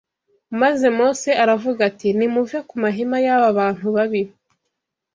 Maze Mose aravuga ati nimuve ku mahema y’aba bantu babi